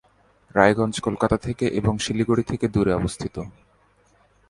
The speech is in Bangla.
রায়গঞ্জ কলকাতা থেকে এবং শিলিগুড়ি থেকে দূরে অবস্থিত।